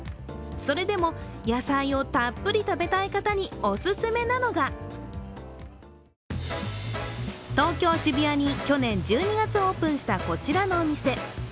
それでも野菜をたっぷり食べたい方にお勧めなのが東京・渋谷に去年１２月オープンしたこちらのお店。